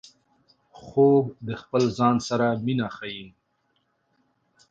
خوب د خپل ځان سره مینه ښيي